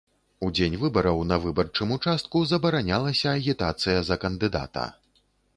У дзень выбараў на выбарчым участку забаранялася агітацыя за кандыдата.